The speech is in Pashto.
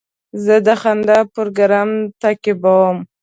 زه د خندا پروګرام تعقیبوم.